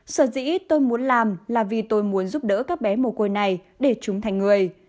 sở dĩ tôi muốn làm là vì tôi muốn giúp đỡ các bé mồ côi này để chúng thành người